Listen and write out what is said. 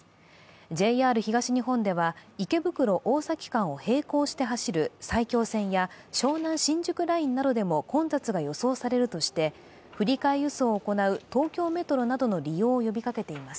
ＪＲ東日本では、池袋−大崎間を並行して走る埼京線や湘南新宿ラインなどでも混雑が予想されるとして振り替え輸送を行う東京メトロなどの利用を呼びかけています。